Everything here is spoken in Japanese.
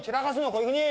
こういうふうに！